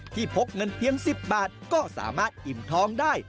พกเงินเพียง๑๐บาทก็สามารถอิ่มท้องได้